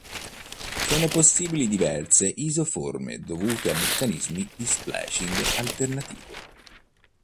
Sono possibili diverse isoforme dovute a meccanismi di splicing alternativo.